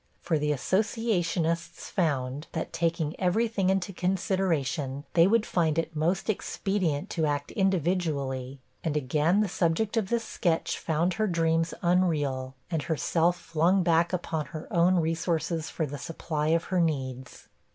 For the Associationists found, that, taking every thing into consideration, they would find it most expedient to act individually; and again, the subject of this sketch found her dreams unreal, and herself flung back upon her own resources for the supply of her needs.